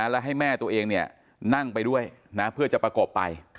และให้แม่ตัวเองนั่งไปด้วยนะเพื่อจะประกบไป